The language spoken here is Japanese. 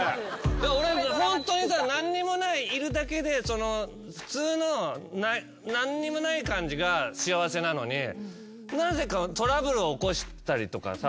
俺ホントにさ何にもないいるだけで普通の何にもない感じが幸せなのになぜかトラブルを起こしたりとかさ。